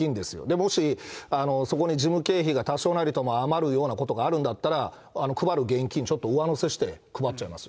もし、そこに事務経費が多少なりとも余るようなことがあるんだったら、配る現金、ちょっと上乗せして配っちゃいますよ。